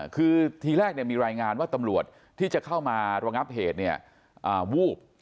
คือทีแรกมีรายงานว่าตำรวจที่จะเข้ามาระงับเหตุวูบ